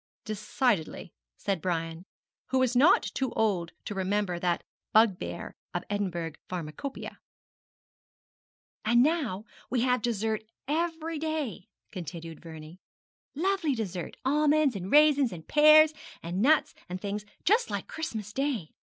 'Decidedly,' said Brian, who was not too old to remember that bugbear of the Edinburgh pharmacopæia. 'And now we have dessert every day,' continued Vernie; 'lovely dessert almonds and raisins, and pears, and nuts, and things, just like Christmas Day.